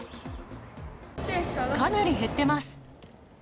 かなり減ってます。